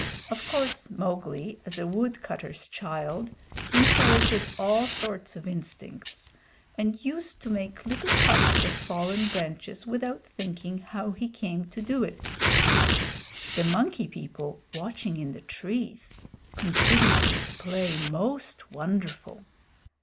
Of course Mowgli, as a woodcutter's child, inherited all sorts of instincts, and used to make little huts of fallen branches without thinking how he came to do it. The Monkey People, watching in the trees, considered his play most wonderful.